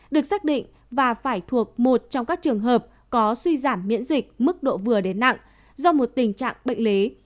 được xác định và phải thuộc một trong các trường hợp có suy giảm miễn dịch mức độ vừa đến nặng do một tình trạng bệnh lý